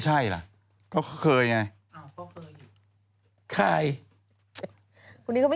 จากกระแสของละครกรุเปสันนิวาสนะฮะ